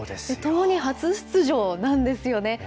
ともに初出場なんですよね。